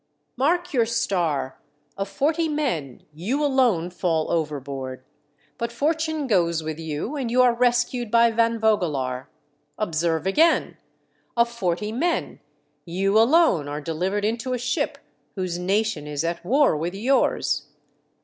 " Mark your star ! Of forty men you alone fall overboard ! But fortune goes with you and you are rescued by Van Vogelaar. Observe again ! Of forty men you alone are delivered into a ship whose nation is at war with yours